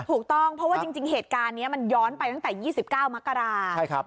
ถูกต้องเพราะว่าจริงเหตุการณ์นี้มันย้อนไปตั้งแต่๒๙มกรา